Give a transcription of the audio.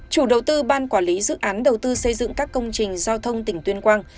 chủ đầu tư ban quản lý dự án đầu tư xây dựng các công trình giao thông tỉnh tuyên quang